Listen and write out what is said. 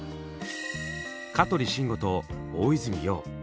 香取慎吾と大泉洋。